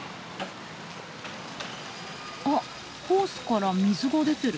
あっホースから水が出てる。